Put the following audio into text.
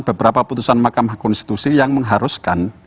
beberapa putusan mahkamah konstitusi yang mengharuskan